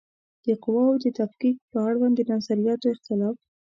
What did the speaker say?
د قواوو د تفکیک په اړوند د نظریاتو اختلاف